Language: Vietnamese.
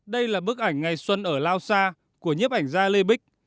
đây là bức ảnh ngày xuân ở lao sa của nhiếp ảnh gia lê bích